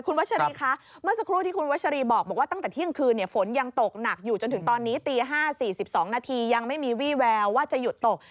คุณวัชรีคะเมื่อสักครู่ที่คุณวัชรีบอกว่าตั้งแต่เที่ยงคืนฝนยังตกหนักอยู่จนถึงตอนนี้ตี๕๔๒นาทียังไม่มีวี่แววว่าจะหยุดตก